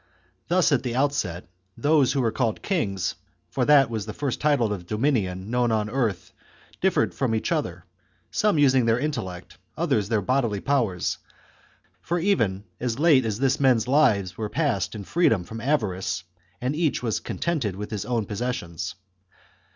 Thus, at the outset, chap. ii. those who were called " kings "— for that was the first title of dominion known on earth — differed from each 2 THE CONSPIRACY OF CATILINE. CHAP, other, some using their intellect, others their bodily powers, for even as late as this men's lives were passed in freedom from avarice, and each was contented with his own possessions.